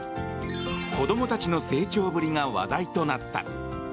子供たちの成長ぶりが話題となった。